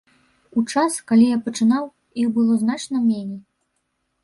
У час, калі я пачынаў, іх было значна меней.